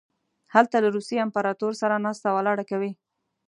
هلته له روسیې امپراطور سره ناسته ولاړه کوي.